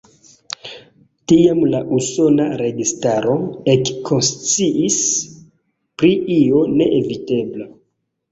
Tiam la usona registaro ekkonsciis pri io neevitebla.